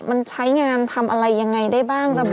มันใช้งานทำอะไรยังไงได้บ้างระบบ